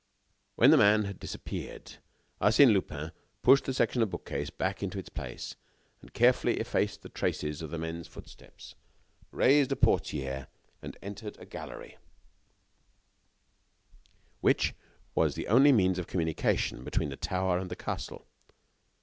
When the man had disappeared, Arsène Lupin pushed the section of the bookcase back into its place, carefully effaced the traces of the men's footsteps, raised a portière, and entered a gallery, which was the only means of communication between the tower and the castle.